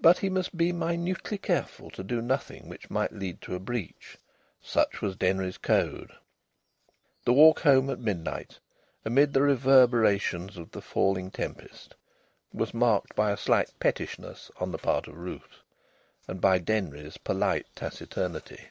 But he must be minutely careful to do nothing which might lead to a breach. Such was Denry's code. The walk home at midnight, amid the reverberations of the falling tempest, was marked by a slight pettishness on the part of Ruth, and by Denry's polite taciturnity.